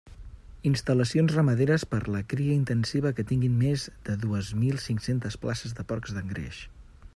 Instal·lacions ramaderes per a la cria intensiva que tinguin més de dues mil cinc-centes places de porcs d'engreix.